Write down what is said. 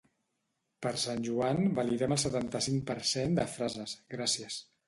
Per Sant Joan validem el setanta-cinc per cent de frases, gràcies.